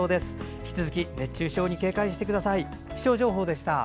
引き続き熱中症に警戒してください。